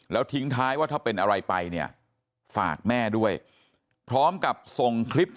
แล้วทิ้งท้ายว่าถ้าเป็นอะไรไปเนี่ยฝากแม่ด้วยพร้อมกับส่งคลิป